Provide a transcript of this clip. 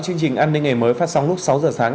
chương trình an ninh ngày mới phát sóng lúc sáu giờ sáng